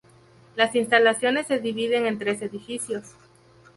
Las instalaciones se dividen en tres edificios.